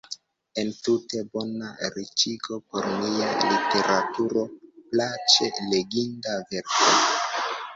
Entute: bona riĉigo por nia literaturo, plaĉe leginda verko.